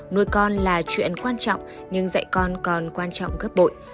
nuôi con là chuyện quan trọng nhưng dạy con còn quan trọng gấp bội